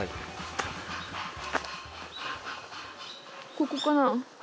ここかな？